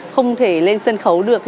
không thể lên sân khấu được